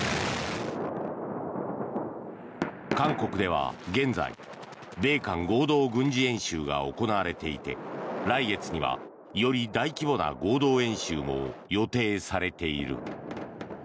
韓国では現在米韓合同軍事演習が行われていて来月にはより大規模な合同演習も予定されている。